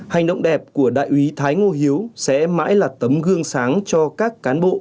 hành động đẹp của đại úy thái ngô hiếu sẽ mãi là tấm gương sáng cho các cán bộ